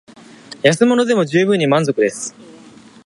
安物でも充分に満足です